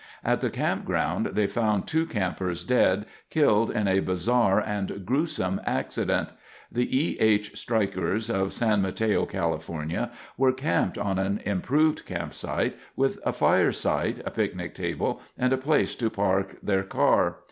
At the campground they found two campers dead, killed in a bizarre and gruesome accident. The E. H. Strykers of San Mateo, California, were camped on an improved campsite, with a fire site, a picnic table, and a place to park their car.